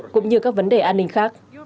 cũng như các vấn đề an ninh khác